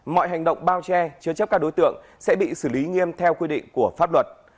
mọi hành động bao che chứa chấp các đối tượng sẽ bị xử lý nghiêm theo quy định của pháp luật